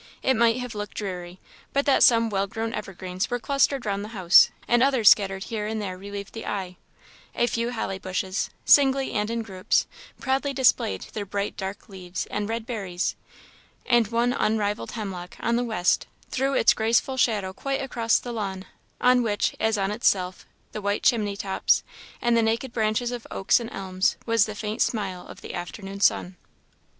It might have looked dreary, but that some well grown evergreens were clustered round the house, and others scattered here and there relieved the eye; a few holly bushes, singly and in groups, proudly displayed their bright dark leaves and red berries; and one unrivalled hemlock, on the west, threw its graceful shadow quite across the lawn, on which, as on itself, the white chimney tops, and the naked branches of oaks and elms, was the faint smile of the afternoon sun.